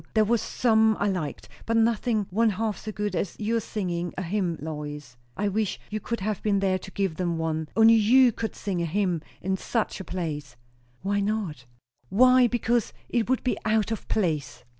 There was some I liked. But nothing one half so good as your singing a hymn, Lois. I wish you could have been there to give them one. Only you could not sing a hymn in such a place." "Why not?" "Why, because! It would be out of place."